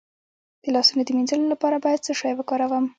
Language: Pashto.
د لاسونو د مینځلو لپاره باید څه شی وکاروم؟